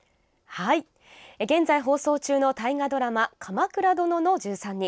現在放送中の大河ドラマ「鎌倉殿の１３人」。